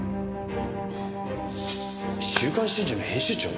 『週刊春秋』の編集長？